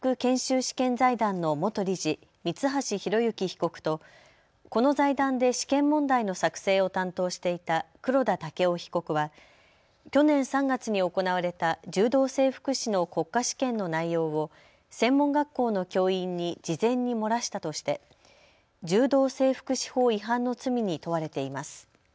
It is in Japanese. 試験財団の元理事、三橋裕之被告とこの財団で試験問題の作成を担当していた黒田剛生被告は去年３月に行われた柔道整復師の国家試験の内容を専門学校の教員に事前に漏らしたとして柔道整復師法違反の罪に問われています。